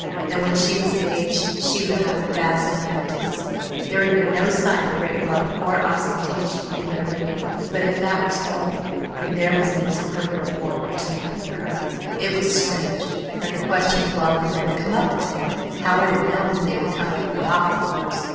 That when she was of age she would have a vast inheritance. There had been no sign of great wealth or ostentation in their living but if that were so then there was an insuperable wall between him and her. It was strange that the question of wealth had never come up between them. Howard had known that they were comfortably off, of course.